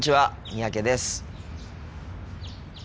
三宅です。